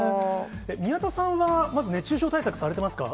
宮田さんはまず熱中症対策、されてますか。